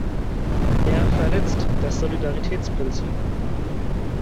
Er verletzt das Solidaritätsprinzip.